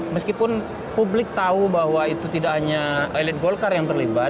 meskipun publik tahu bahwa itu tidak hanya elit golkar yang terlibat